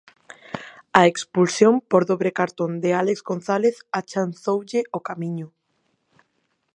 A expulsión por dobre cartón de Álex González achanzoulle o camiño.